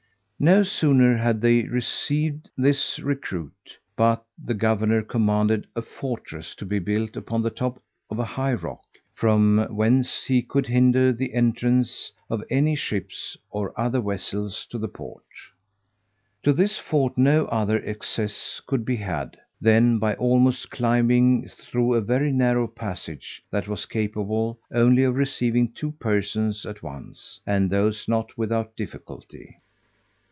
No sooner had they received this recruit, but the governor commanded a fortress to be built upon the top of a high rock, from whence he could hinder the entrance of any ships or other vessels to the port. To this fort no other access could be had, than by almost climbing through a very narrow passage that was capable only of receiving two persons at once, and those not without difficulty.